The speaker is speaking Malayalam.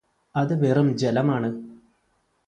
അത് വെറും ജലമാണ്